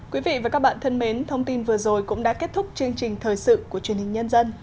quý vị và các bạn thân mến thông tin vừa rồi cũng đã kết thúc chương trình thời sự của truyền hình nhân dân